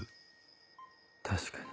確かに。